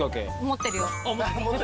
持ってるよ。